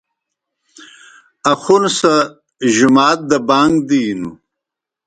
آخُون سہ جُمات دہ بانگ دِینوْ۔